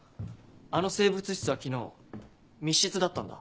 あの生物室は昨日密室だったんだ。